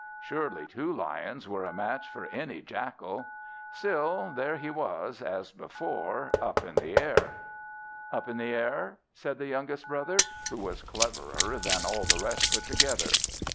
Surely two Lions were a match for any Jackal! Still, there he was, as before, up in the air. "Up in the air?" said the youngest brother, who was cleverer than all the rest put together.